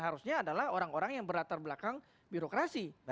harusnya adalah orang orang yang berlatar belakang birokrasi